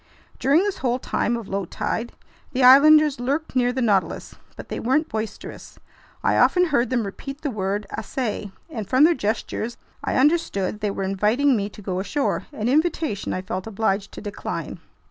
During this whole time of low tide, the islanders lurked near the Nautilus, but they weren't boisterous. I often heard them repeat the word "assai," and from their gestures I understood they were inviting me to go ashore, an invitation I felt obliged to decline.